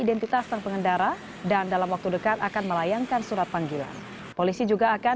identitas dan pengendara dan dalam waktu dekat akan melayangkan surat panggilan polisi juga akan